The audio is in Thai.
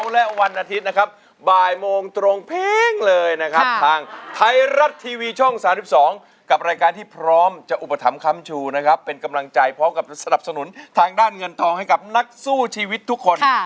แล้วกดันทองให้กับนักสู้ชีวิตทุกคน